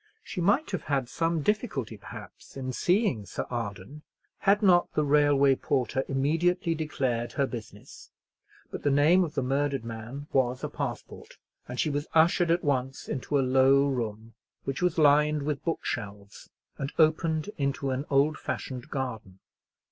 She might have had some difficulty perhaps in seeing Sir Arden, had not the railway porter immediately declared her business. But the name of the murdered man was a passport, and she was ushered at once into a low room, which was lined with book shelves, and opened into an old fashioned garden.